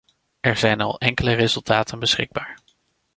Er zijn al enkele resultaten beschikbaar.